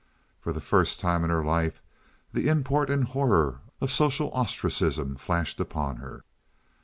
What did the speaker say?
For the first time in her life the import and horror of social ostracism flashed upon her.